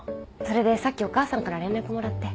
それでさっきお母さんから連絡もらって。